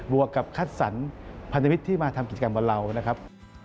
วกกับคัดสรรพันธมิตรที่มาทำกิจกรรมบนเรานะครับ